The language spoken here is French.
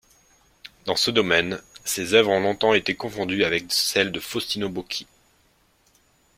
Dans ce domaine, ses œuvres ont été longtemps confondues avec celles de Faustino Bocchi.